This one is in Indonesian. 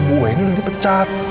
bu wen ini udah dipecat